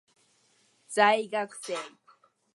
在学生